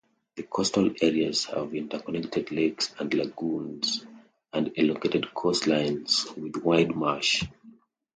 The coastal areas have interconnected lakes and lagoons and elongated coastlines with wide marsh.